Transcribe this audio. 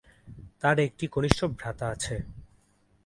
তার একটি কনিষ্ঠ ভ্রাতা আছে।